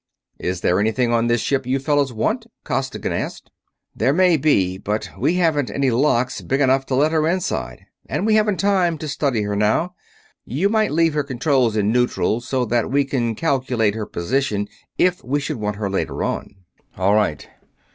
"Is there anything on this ship you fellows want?" Costigan asked. "There may be, but we haven't any locks big enough to let her inside and we haven't time to study her now. You might leave her controls in neutral, so that we can calculate her position if we should want her later on." "All right."